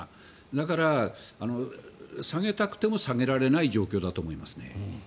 だから下げたくても下げられない状況だと思います。